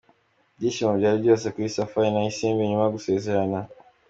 Ibyishimo byari byose kuri Safari na Isimbi nyuma yo gusezerana.